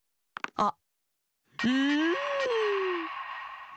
あっ。